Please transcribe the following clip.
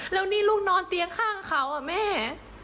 แล้วนี่ลูกนอนเตียงข้างเขาอ่ะแม่